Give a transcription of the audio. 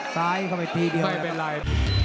ซ้ายเข้าไปทีเดียวไม่เป็นไร